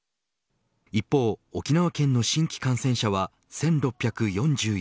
一方、沖縄県の新規感染者は１６４４人。